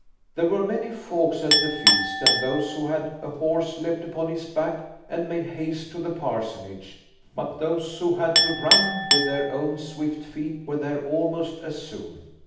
There were many folks at the feast, and those who had a horse leapt upon his back and made haste to the parsonage; but those who had to run with their own swift feet were there almost as soon.